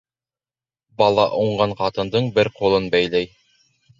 Бала уңған ҡатындың бер ҡулын бәйләй